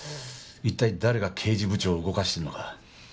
いったい誰が刑事部長を動かしてるのか。